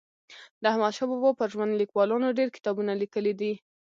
د احمدشاه بابا پر ژوند لیکوالانو ډېر کتابونه لیکلي دي.